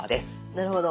なるほど。